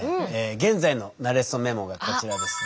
現在の「なれそメモ」がこちらです。